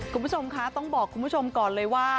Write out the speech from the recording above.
คุณผู้ชมคะต้องบอกคุณผู้ชมก่อนเลยว่า